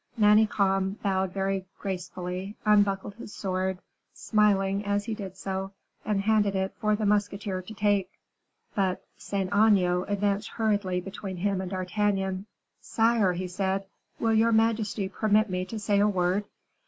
Manicamp bowed very gracefully, unbuckled his sword, smiling as he did so, and handed it for the musketeer to take. But Saint Aignan advanced hurriedly between him and D'Artagnan. "Sire," he said, "will your majesty permit me to say a word?"